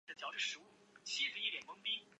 张津后又被他的属将区景所杀。